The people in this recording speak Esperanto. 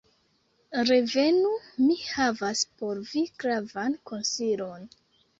"Revenu! mi havas por vi gravan konsilon.